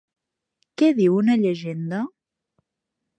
Què diu una llegenda?